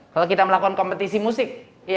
kalau kita melakukan kompetisi musik